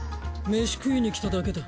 飯食いに来ただけだ。